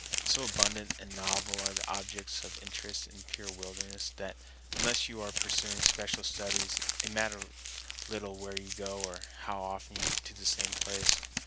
So abundant and novel are the objects of interest in a pure wilderness that unless you are pursuing special studies it matters little where you go, or how often to the same place.